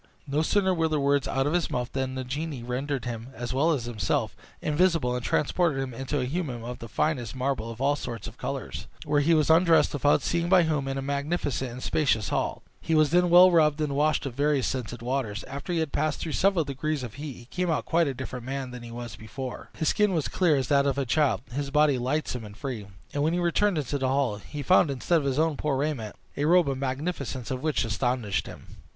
No sooner were the words out of his mouth than the genie rendered him, as well as himself, invisible, and transported him into a hummum of the finest marble of all sorts of colors, where he was undressed, without seeing by whom, in a magnificent and spacious hall. He was then well rubbed and washed with various scented waters. After he had passed through several degrees of heat, he came out quite a different man from what he was before. His skin was clear as that of a child, his body lightsome and free; and when he returned into the hall, he found, instead of his own poor raiment, a robe the magnificence of which astonished him.